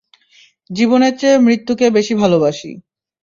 জীবনের চেয়ে মৃত্যু কে বেশী ভালবাসি।